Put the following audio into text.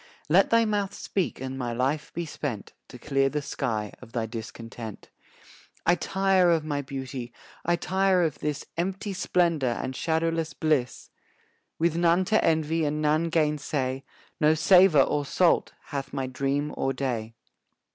"Let thy mouth speak and my life be spent To clear the sky of thy discontent." "I tire of my beauty, I tire of this Empty splendour and shadowless bliss; "With none to envy and none gainsay, No savour or salt hath my dream or day."